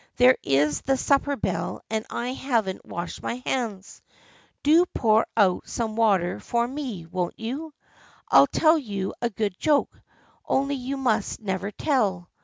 There is the supper bell and I haven't washed my hands ! Do pour out some water for me, won't you ? I'll tell you a good joke, only you must never tell.